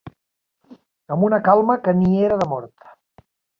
Amb una calma que ni era de mort